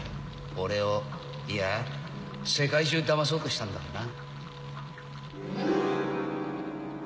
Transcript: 俺をいや世界中をだまそうとしたんだからな。